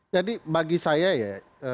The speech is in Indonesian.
jadi bagi saya ya